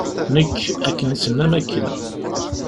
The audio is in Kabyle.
Nekk, akken i d-tennam akken.